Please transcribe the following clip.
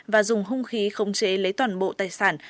và dùng hung khí khống chế lấy toàn bộ tài sản